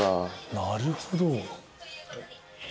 なるほど。